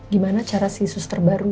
gimana cara si suster baru